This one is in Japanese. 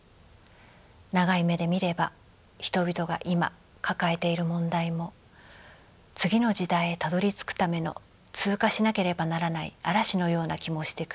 「長い目で見れば人々が今抱えている問題も次の時代へたどりつくための通過しなければならない嵐のような気もしてくる。